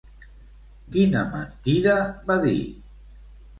Quina mentida va dir?